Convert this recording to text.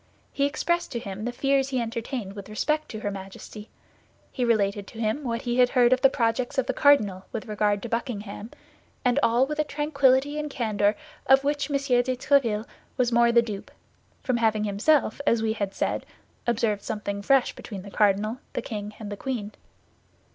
He expressed to him the fears he entertained with respect to her Majesty; he related to him what he had heard of the projects of the cardinal with regard to Buckingham, and all with a tranquillity and candor of which M. de Tréville was the more the dupe, from having himself, as we have said, observed something fresh between the cardinal, the king, and the queen.